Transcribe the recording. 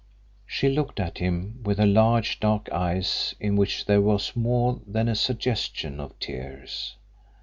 She looked at him with her large dark eyes in which there was more than a suggestion of tears.